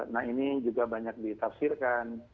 nah ini juga banyak ditafsirkan